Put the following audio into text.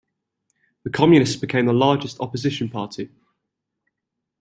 The communists became the largest opposition party.